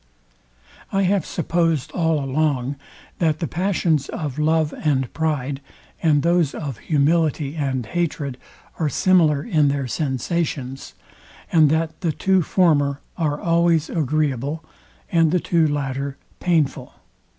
I have supposed all along, that the passions of love and pride, and those of humility and hatred are similar in their sensations, and that the two former are always agreeable, and the two latter painful.